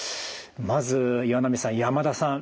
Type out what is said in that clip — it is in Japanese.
まず岩波さん山田さん